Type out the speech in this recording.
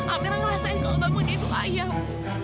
amirah ngerasain kalau namanya dia itu ayah bu